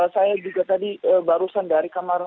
saya juga tadi barusan dari kamar